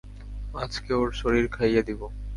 মাছকে ওর শরীর খাইয়ে দিবো।